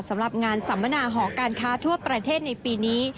สำหรับงานสัมมนาหอการค้าทั่วประเทศในปีนี้